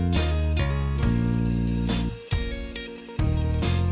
เพลงที่ที่ได้